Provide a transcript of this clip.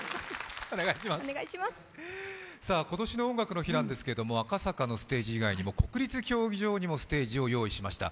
今年の「音楽の日」なんですけれども、赤坂のステージ以外にも国立競技場にもステージを用意しました。